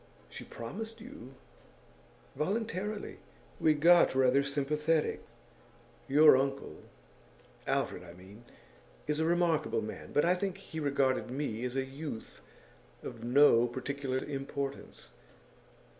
'She promised you?' 'Voluntarily. We got rather sympathetic. Your uncle Alfred, I mean is a remarkable man; but I think he regarded me as a youth of no particular importance.